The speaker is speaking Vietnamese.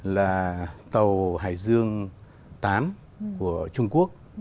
là tàu hải dương tám của trung quốc